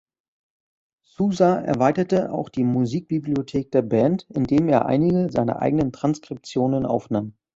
Sousa erweiterte auch die Musikbibliothek der Band, indem er einige seiner eigenen Transkriptionen aufnahm.